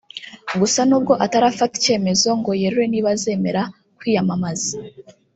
Gusa n’ubwo atarafata icyemezo ngo yerure niba azemera kwiyamamaza